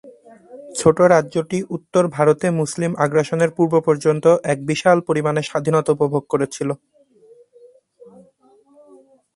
ছোট রাজ্যটি উত্তর ভারতে মুসলিম আগ্রাসনের পূর্ব পর্যন্ত এক বিশাল পরিমাণে স্বাধীনতা উপভোগ করেছিল।